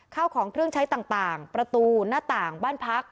ข้าวของเครื่องใช้ต่างประตูหน้าต่างบ้านพัก